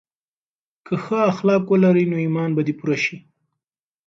که ښه اخلاق ولرې نو ایمان به دې پوره شي.